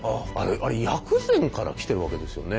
あれ薬膳からきてるわけですよね？